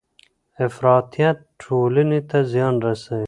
افراطیت ټولني ته زیان رسوي.